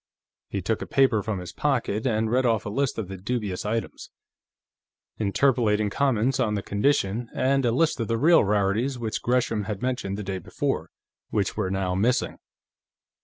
He took a paper from his pocket and read off a list of the dubious items, interpolating comments on the condition, and a list of the real rarities which Gresham had mentioned the day before, which were now missing.